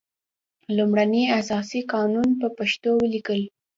لومړنی اساسي قانون په پښتو ولیکل.